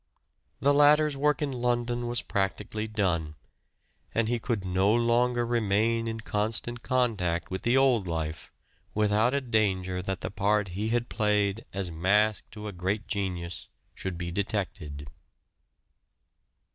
The latter's work in London was practically done, and he could no longer remain in constant contact with the old life without a danger that the part he had played as mask to a great genius should be detected.